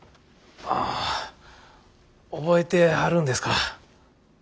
ああ覚えてはるんですか。